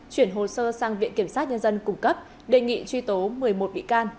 chuyển hồ sơ sang viện kiểm sát nhân dân cung cấp đề nghị truy tố một mươi một bị can